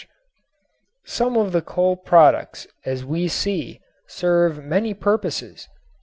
Some of the coal tar products, as we see, serve many purposes.